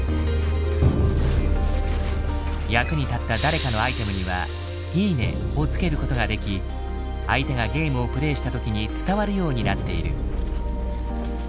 役に立った誰かのアイテムには「いいね」をつけることができ相手がゲームをプレイした時に伝わるようになっている。